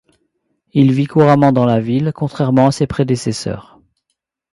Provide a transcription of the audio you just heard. Il vit couramment dans la ville, contrairement à ses prédécesseurs.